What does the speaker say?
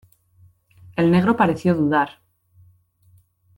el negro pareció dudar.